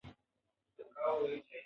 په افغانستان کې د اقلیم منابع شته.